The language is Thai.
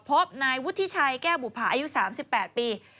พบนายวุฒิชัยแก้วบุภาอายุ๓๘ปี